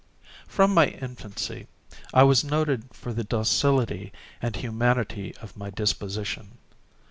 From my infancy I was noted for the docility and humanity of my disposition.